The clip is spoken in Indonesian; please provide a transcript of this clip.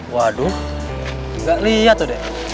waduh gak liat tuh deh